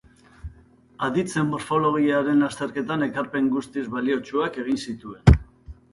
Aditzen morfologiaren azterketan ekarpen guztiz baliotsuak egin zituen.